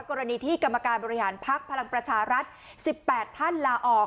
กรณีที่กรรมการบริหารพักพลังประชารัฐ๑๘ท่านลาออก